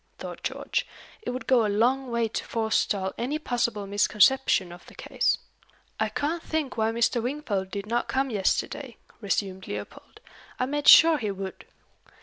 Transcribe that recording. thought George. "It would go a long way to forestall any possible misconception of the case." "I can't think why Mr. Wingfold did not come yesterday," resumed Leopold. "I made sure he would."